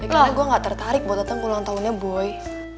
ya karena gua gak tertarik buat dateng ulang tahunnya boy